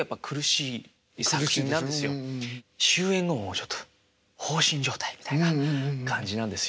終演後ちょっと放心状態みたいな感じなんですよ。